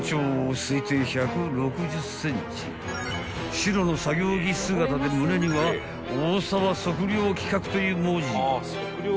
［白の作業着姿で胸にはオオサワ測量企画という文字が］